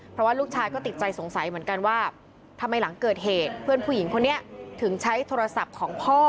เพราะว่าลูกชายก็ติดใจสงสัยเหมือนกันว่าทำไมหลังเกิดเหตุเพื่อนผู้หญิงคนนี้ถึงใช้โทรศัพท์ของพ่อ